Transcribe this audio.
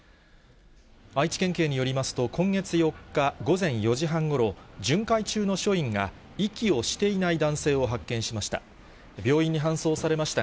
愛知県警によりますと、今月４日午前４時半ごろ、巡回中の署員が息をしていない男性を発見しました。